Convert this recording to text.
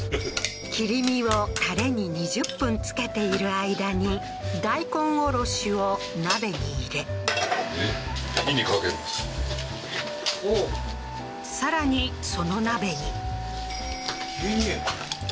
切り身をタレに２０分漬けている間に大根おろしを鍋に入れさらにその鍋に牛乳？